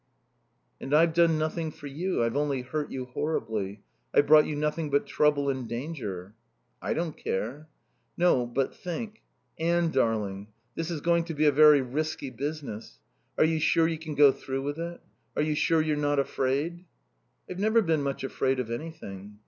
"And I've done nothing for you. I've only hurt you horribly. I've brought you nothing but trouble and danger." "I don't care." "No, but think. Anne darling, this is going to be a very risky business. Are you sure you can go through with it? Are you sure you're not afraid?" "I've never been much afraid of anything."